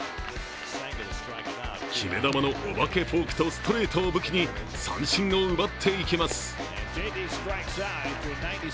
決め球のお化けフォークとストレートを武器に三振を奪っていきます。